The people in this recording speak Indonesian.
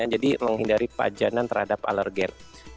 jadi menghindari pajanan terhadap alergen